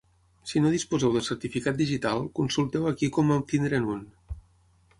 Si no disposeu de certificat digital, consulteu aquí com obtenir-ne un.